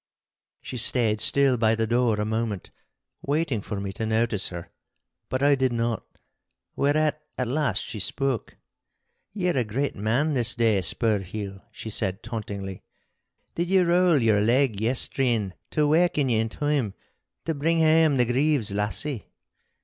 She stayed still by the door a moment, waiting for me to notice her. But I did not, whereat at last she spoke. 'Ye are a great man this day, Spurheel,' she said tauntingly. 'Did ye rowell your leg yestreen to waken ye in time to bring hame the Grieve's lassie?